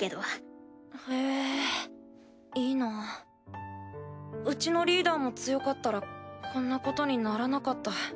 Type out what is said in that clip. ヘいいなウチのリーダーも強かったらこんなことにならなかった。